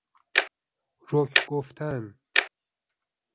رک گفتن